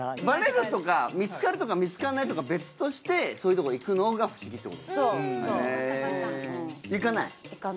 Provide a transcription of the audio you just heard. バレるとか見つかるとか見つからないとか別としてそういう所に行くのが不思議っていうこと。